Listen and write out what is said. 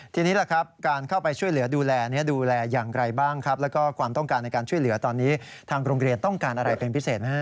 ทีนี้ล่ะครับการเข้าไปช่วยเหลือดูแลดูแลอย่างไรบ้างครับแล้วก็ความต้องการในการช่วยเหลือตอนนี้ทางโรงเรียนต้องการอะไรเป็นพิเศษนะฮะ